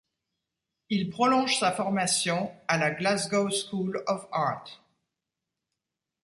Il prolonge sa formation à la Glasgow School of Art.